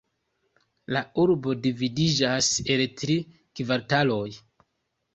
La urbo dividiĝas el tri kvartaloj.